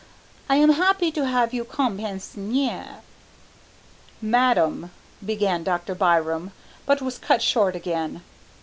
I am happy to have you comme pensionnaires " "Madame," began Dr. Byram, but was cut short again.